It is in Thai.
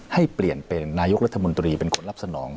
ให้เปลี่ยนเป็นนายกรัฐมนตรีเป็นคนรับสนอง